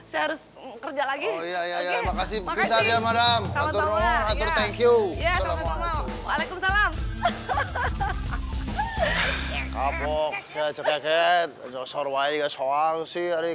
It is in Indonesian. saya harus kerja lagi ya makasih bisa ada madam atur atur thank you sama sama waalaikumsalam